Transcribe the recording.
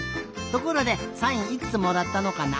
ところでサインいくつもらったのかな？